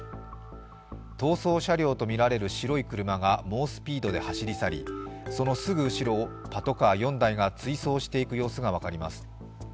逃走車両とみられる白い車が猛スピードで走り去りそのすぐ後ろをパトカー４台が追走していく様子が分かります。